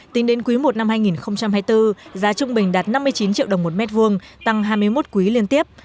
tính đến quý i năm hai nghìn hai mươi bốn giá trung bình đạt năm mươi chín triệu đồng một mét vuông tăng hai mươi một quý liên tiếp